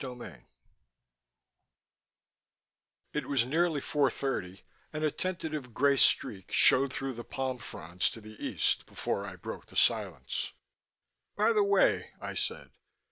CHAPTER III It was nearly four thirty and a tentative grey streak showed through the palm fronds to the east before I broke the silence. "By the way," I said.